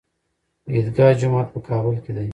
د عیدګاه جومات په کابل کې دی